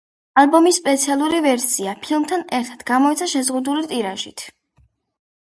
ალბომის სპეციალური ვერსია, ფილმთან ერთად, გამოიცა შეზღუდული ტირაჟით.